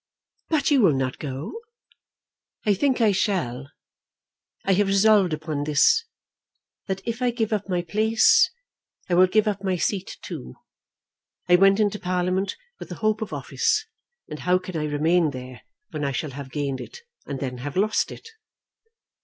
"But you will not go?" "I think I shall. I have resolved upon this, that if I give up my place, I will give up my seat too. I went into Parliament with the hope of office, and how can I remain there when I shall have gained it and then have lost it?"